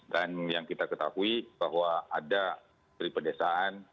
dan yang kita ketahui bahwa ada di pedesaan